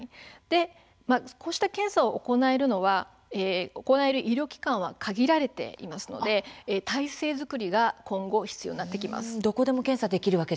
こうした検査を行える医療機関は限られていますので体制作りが今後、必要になってきます。